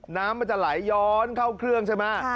น้ำมันจะไหลย้อนเข้าเครื่องใช่ไหม